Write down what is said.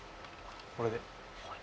これで。